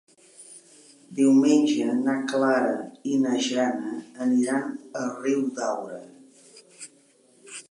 Diumenge na Clara i na Jana aniran a Riudaura.